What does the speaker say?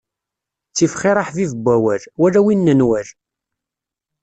Ttif xir aḥbib n wawal wala win n nnwal!